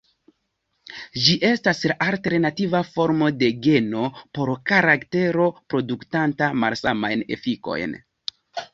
Ĝi estas la alternativa formo de geno por karaktero produktanta malsamajn efikojn.